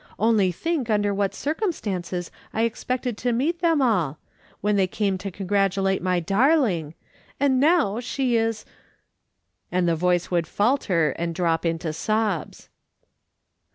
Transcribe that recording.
Only think under what circumstances I expected to meet them all — when they came to congratulate my darling — and now she is" — and the voice would falter and drop into sobs.